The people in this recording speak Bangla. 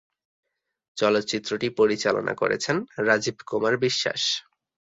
চলচ্চিত্রটি পরিচালনা করেছেন রাজীব কুমার বিশ্বাস।